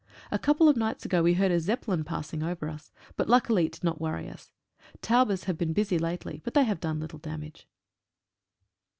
A couple of nights ago we heard a Zeppelin passing over us, but luckily it did not worry us. Taubes have been busier lately, but they have done little damage.